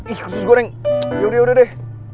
ih usus goreng yaudah deh